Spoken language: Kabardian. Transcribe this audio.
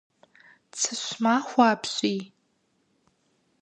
Цыщ махуэ апщий.